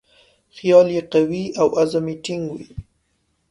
خیال یې قوي او عزم یې ټینګ وي.